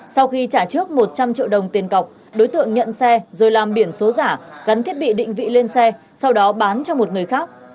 sau khi trả trước một trăm linh triệu đồng tiền cọc đối tượng nhận xe rồi làm biển số giả gắn thiết bị định vị lên xe sau đó bán cho một người khác